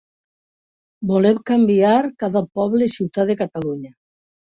Volem canviar cada poble i ciutat de Catalunya.